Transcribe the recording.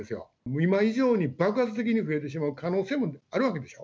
今以上に爆発的に増えてしまう可能性もあるわけですよ。